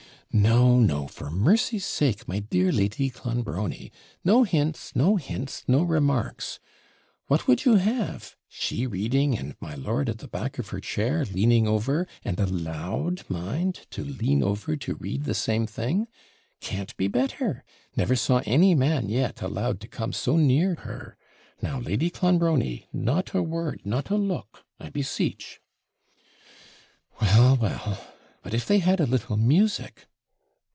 'No, no, for mercy's sake! my dear Lady Clonbrony, no hints, no hints, no remarks! What would you have! she reading, and my lord at the back of her chair, leaning over and allowed, mind, to lean over to read the same thing. Can't be better! Never saw any man yet allowed to come so near her! Now, Lady Clonbrony, not a word, not a look, I beseech.' 'Well, well! but if they had a little music.'